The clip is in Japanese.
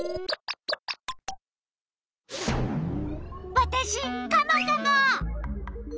わたしカモカモ！